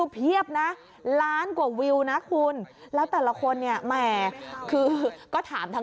เพียบนะล้านกว่าวิวนะคุณแล้วแต่ละคนเนี่ยแหมคือก็ถามทั้ง